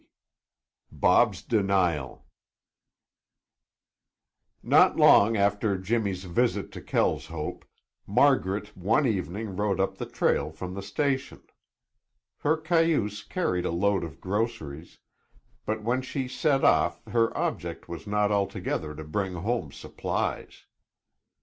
XX BOB'S DENIAL Not long after Jimmy's visit to Kelshope, Margaret one evening rode up the trail from the station. Her cayuse carried a load of groceries, but when she set off her object was not altogether to bring home supplies.